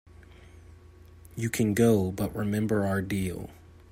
You can go, but remember our deal.